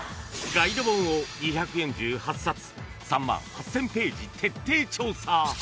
［ガイド本を２４８冊３万８，０００ページ徹底調査］